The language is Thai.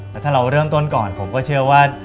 แต่ถ้าเราเริ่มต้นก่อนผมก็เชื่อว่า